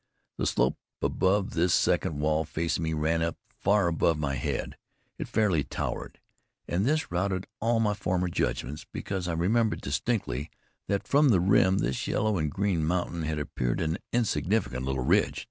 The slope above this second wall facing me ran up far above my head; it fairly towered, and this routed all my former judgments, because I remembered distinctly that from the rim this yellow and green mountain had appeared an insignificant little ridge.